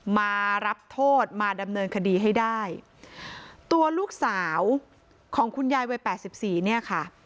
มารับโทษมาดำเนินคดีให้ได้ตัวลูกสาวของคุณยายวัยแปดสิบสี่เนี่ยค่ะ